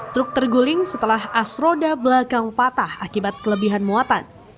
truk terguling setelah as roda belakang patah akibat kelebihan muatan